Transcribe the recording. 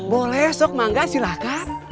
boleh soek marketers silahkan